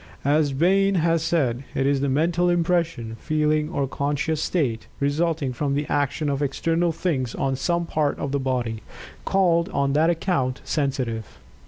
As Bain has said, it is the "mental impression, feeling, or conscious state, resulting from the action of external things on some part of the body, called on that account, sensitive."